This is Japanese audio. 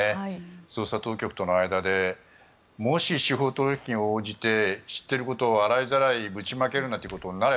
捜査当局との間でもし司法取引に応じて知っていることを洗いざらいぶちまけることになれ